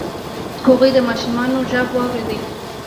هغوی د ماشومانو غږ واورید.